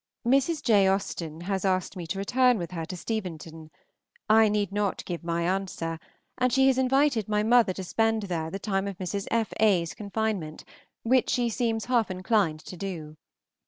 Mrs. J. Austen has asked me to return with her to Steventon; I need not give my answer; and she has invited my mother to spend there the time of Mrs. F. A.'s confinement, which she seems half inclined to do.